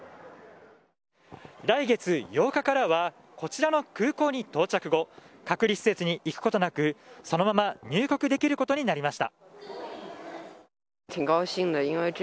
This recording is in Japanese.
来月８日からは、こちらの空港に到着後、隔離施設に行くことなく、そのまま入国できることになりました。